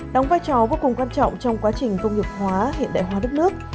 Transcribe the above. đóng vai trò vô cùng quan trọng trong quá trình công nghiệp hóa hiện đại hóa đất nước